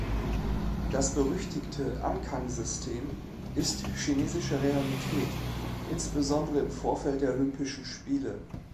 Das berüchtigte Ankangsystem ist chinesische Realität, insbesondere im Vorfeld der Olympischen Spiele.